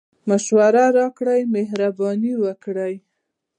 مشوري راکړئ مهربانی وکړئ